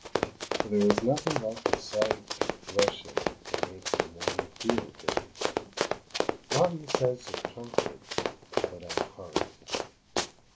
For there is nothing like the sight of threshing for making one feel good—not in the sense of comfort, but at heart.